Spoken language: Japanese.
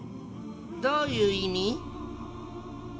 どういう意味？